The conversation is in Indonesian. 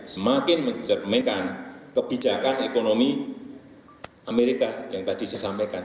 semakin mencerminkan kebijakan ekonomi amerika yang tadi saya sampaikan